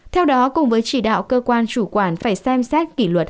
theo đó cùng với chỉ đạo cơ quan chủ quản phải xem xét kỷ luật